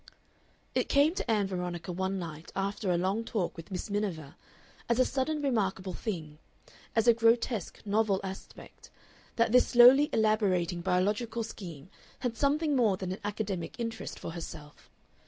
It came to Ann Veronica one night after a long talk with Miss Miniver, as a sudden remarkable thing, as a grotesque, novel aspect, that this slowly elaborating biological scheme had something more than an academic interest for herself.